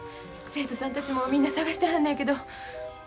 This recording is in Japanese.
生徒さんたちもみんな捜してはんのやけど。